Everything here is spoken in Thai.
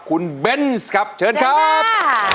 คุณเบนส์ครับเชิญครับ